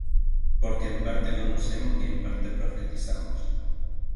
Porque en parte conocemos, y en parte profetizamos;